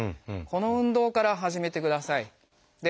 この運動から始めてください。